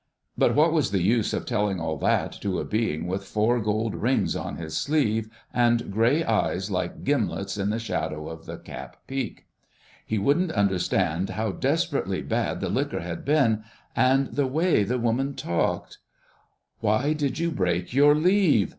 But what was the use of telling all that to a Being with four gold rings on his sleeve, and grey eyes like gimlets in the shadow of the cap peak. He wouldn't understand how desperately bad the liquor had been, and the way the women talked... "Why did you break your leave?"